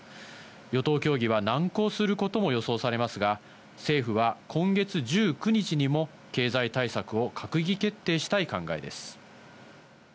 与党協議は難航することも予想されますが、政府は今月１９日にも経済対策を閣議決定したい考えです。